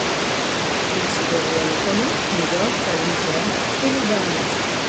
Il se déroule en Italie, New York, la Louisiane et les Bahamas.